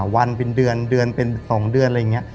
วันเป็นเดือนเดือนเป็น๒เดือนอะไรอย่างนี้